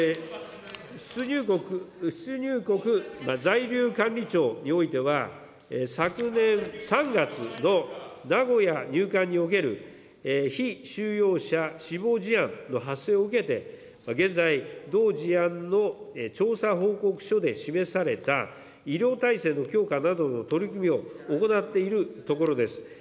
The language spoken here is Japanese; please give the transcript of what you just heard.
出入国在留管理庁においては、昨年３月の名古屋入管における被収容者死亡事案の発生を受けて、現在、同事案の調査報告書で示された医療体制の強化などの取り組みを行っているところです。